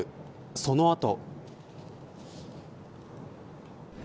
その後。